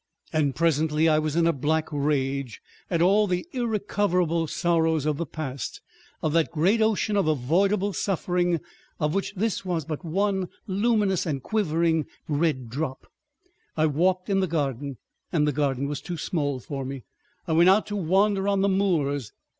... And presently I was in a black rage at all the irrecoverable sorrows of the past, of that great ocean of avoidable suffering of which this was but one luminous and quivering red drop. I walked in the garden and the garden was too small for me; I went out to wander on the moors.